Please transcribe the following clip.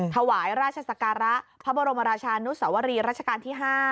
ถวายราชศักระพระบรมราชานุสวรีรัชกาลที่๕